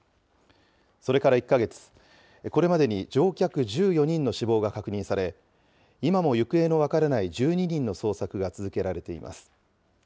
それから１か月、これまでに乗客１４人の死亡が確認され、今も行方の分からない１２人の捜索が続けられています。